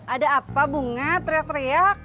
ada apa bunga teriak teriak